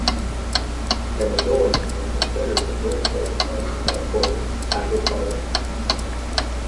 Benidorm is considered the birthplace of the “package holiday”.